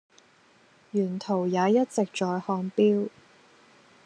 沿途也一直在看錶